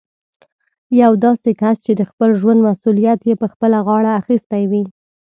يو داسې کس چې د خپل ژوند مسوليت يې په خپله غاړه اخيستی وي.